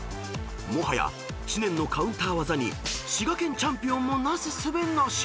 ［もはや知念のカウンター技に滋賀県チャンピオンもなすすべなし］